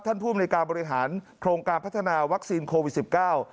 ภูมิในการบริหารโครงการพัฒนาวัคซีนโควิดสิบเก้า